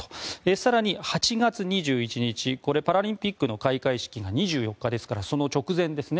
更に８月２１日これはパラリンピックの開会式が２４日ですからその直前ですね。